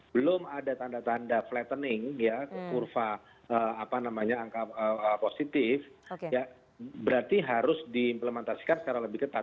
belum ada tanda tanda flattening ya kurva apa namanya angka positif ya berarti harus diimplementasikan secara lebih ketat